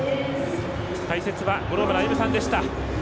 解説は、五郎丸歩さんでした。